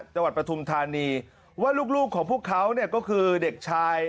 จังหวัดประทุมธานีว่าลูกของพวกเขาเนี่ยก็คือเด็กชาย